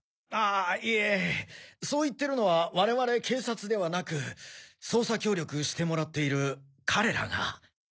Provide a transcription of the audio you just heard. ああいえそう言ってるのは我々警察ではなく捜査協力してもらっている彼らが。